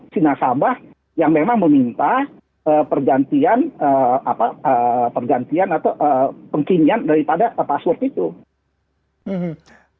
sinasabah yang memang meminta pergantian atau pengkinian dari pada password itu